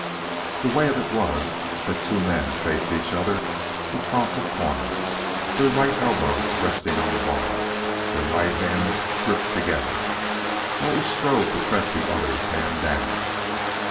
The way of it was that two men faced each other across a corner, their right elbows resting on the bar, their right hands gripped together, while each strove to press the other's hand down.